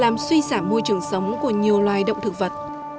môi trường sống của nhiều loài động thực vật